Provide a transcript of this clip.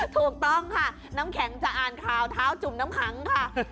ถูกต้องค่ะน้ำแข็งจะอ่านข่าวเท้าจุ่มน้ำขังค่ะ